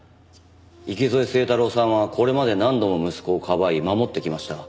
池添清太郎さんはこれまで何度も息子をかばい守ってきました。